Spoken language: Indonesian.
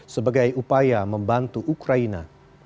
sebagai upaya membantu ukraina